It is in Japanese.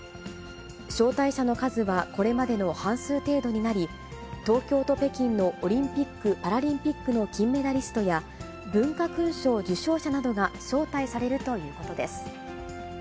招待者の数はこれまでの半数程度になり、東京と北京のオリンピック・パラリンピックの金メダリストや、文化勲章受章者などが招待されるということです。